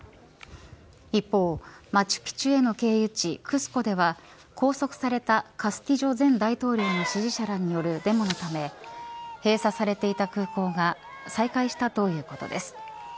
一方、マチュピチュへの経由地クスコでは拘束されたカスティジョ前大統領の支持者らによるデモのため閉鎖されていた空港が再開したということです。